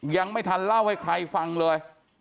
ยังไม่ทันเล่าให้ใครฟังเลย